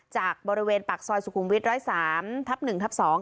จากบริเวณปากซอยสุกุมวิทร้อยสามทับหนึ่งทับสอง